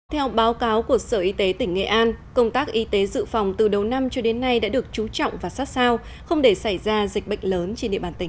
theo báo cáo của sở y tế tỉnh nghệ an công tác y tế dự phòng từ đầu năm cho đến nay đã được trú trọng và sát sao không để xảy ra dịch bệnh lớn trên địa bàn tỉnh